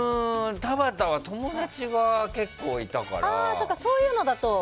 田端は友達が結構いたから。